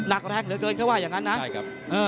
นักแรงเหลือเกินเค้าว่าอย่างนั้นนะ